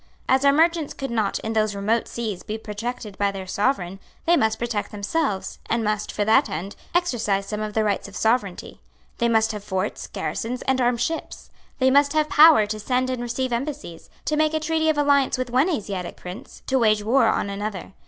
As our merchants could not, in those remote seas, be protected by their Sovereign, they must protect themselves, and must, for that end, exercise some of the rights of sovereignty. They must have forts, garrisons and armed ships. They must have power to send and receive embassies, to make a treaty of alliance with one Asiatic prince, to wage war on another.